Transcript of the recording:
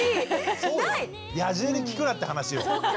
野獣に聞くなって話よ。